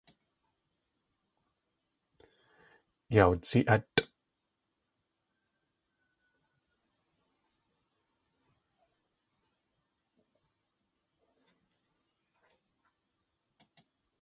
Yawdzi.átʼ.